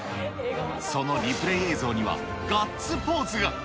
そのリプレー映像にはガッツポーズが。